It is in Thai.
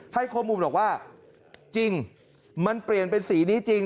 ให้ข้อมูลบอกว่าจริงมันเปลี่ยนเป็นสีนี้จริง